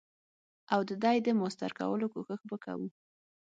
او ددی د ماستر کولو کوښښ به کوو.